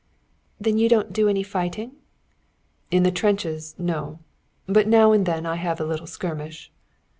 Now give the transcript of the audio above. "Then you don't do any fighting?" "In the trenches no. But now and then I have a little skirmish."